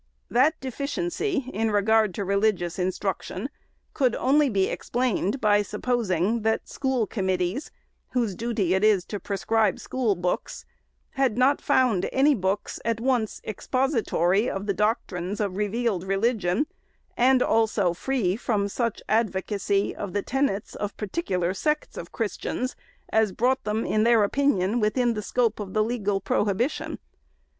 That deficiency, in regard to re ligious instruction, could only be explained by supposing that school committees, whose duty it is to prescribe school books, had not found any books at once expository of the doctrines of revealed religion, and also free from such advocacy of the " tenets " of particular sects of Christians, as brought them, in their opinion, within the scope of the legal prohibition.